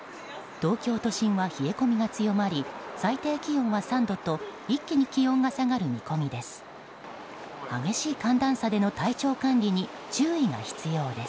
東京都心は冷え込みが強まり最低気温は３度と一気に気温が下がる見込みです。